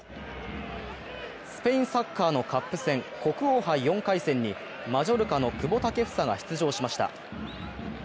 スペイン・サッカーのカップ戦、国王杯４回戦にマジョルカの久保建英が出場しました。